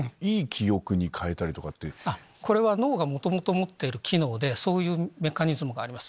これは脳が元々持っている機能でそういうメカニズムがあります。